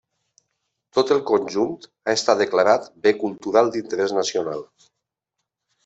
Tot el conjunt ha estat declarat Bé Cultural d'Interès Nacional.